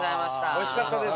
おいしかったです。